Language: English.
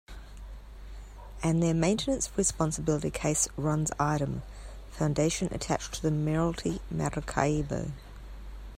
And their maintenance responsibility Case runs idem, Foundation attached to the Mayoralty Maracaibo.